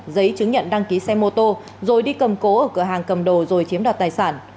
giấy chứng nhận đăng ký xe mô tô rồi đi cầm cố ở cửa hàng cầm đồ rồi chiếm đoạt tài sản